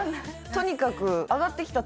とにかく